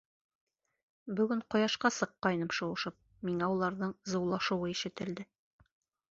— Бөгөн ҡояшҡа сыҡҡайным шыуышып, миңә уларҙың зыулашыуы ишетелде.